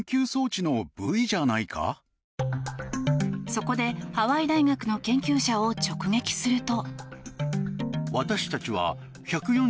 そこで、ハワイ大学の研究者を直撃すると。